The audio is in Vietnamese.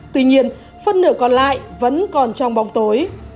tuy nhiên phân nửa còn lại vẫn còn trong bóng tối